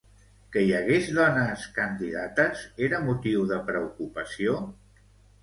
Que hi hagués dones candidates era motiu de preocupació?